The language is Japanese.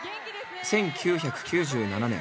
１９９７年